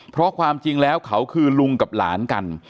เพราะความจริงแล้วเขาคือลุงกับหลานกัน